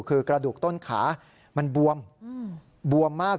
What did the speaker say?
คือกระดูกต้นขามันบวมบวมมาก